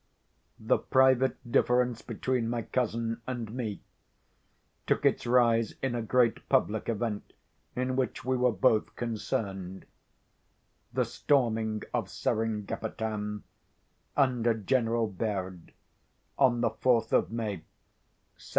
The private difference between my cousin and me took its rise in a great public event in which we were both concerned—the storming of Seringapatam, under General Baird, on the 4th of May, 1799.